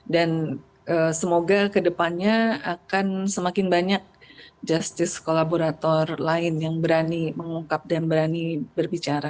dan semoga kedepannya akan semakin banyak justice collaborator lain yang berani mengungkap dan berani berbicara